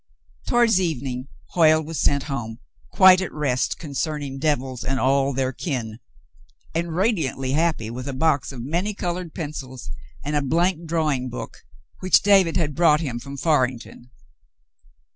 Towards evening Hoyle was sent home, quite at rest concerning devils and all their kin, and radiantly happy with a box of many colored pencils and a blank drawing book, which David had brought him from Farington.